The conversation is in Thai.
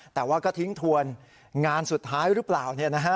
แต่ว่าก็ทิ้งทวนงานสุดท้ายหรือเปล่าเนี่ยนะฮะ